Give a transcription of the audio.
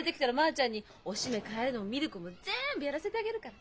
ちゃんにおしめ替えるのもミルクも全部やらせてあげるから。